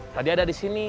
tadi ada disini